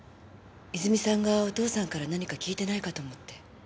泉さんがお父さんから何か聞いてないかと思って。